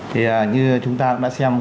thì như chúng ta đã xem